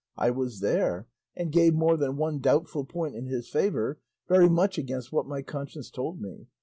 I was there, and gave more than one doubtful point in his favour, very much against what my conscience told me.